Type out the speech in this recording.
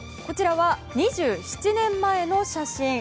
こちらは２７年前の写真。